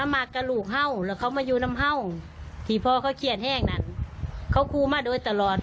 พ่อเขาเขียนแห้งนั่นเขาคู่มาโดยตลอด